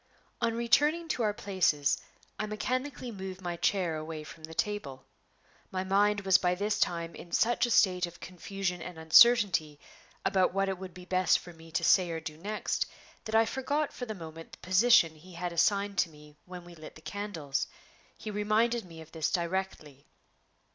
On returning to our places, I mechanically moved my chair away from the table. My mind was by this time in such a state of confusion and uncertainty about what it would be best for me to say or do next, that I forgot for the moment the position he had assigned to me when we lit the candles. He reminded me of this directly.